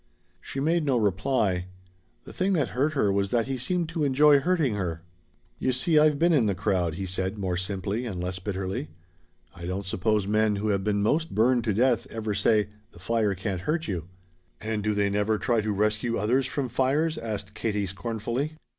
She made no reply. The thing that hurt her was that he seemed to enjoy hurting her. "You see I've been in the crowd," he said more simply and less bitterly. "I don't suppose men who have been most burned to death ever say 'The fire can't hurt you.'" "And do they never try to rescue others from fires?" asked Katie scornfully.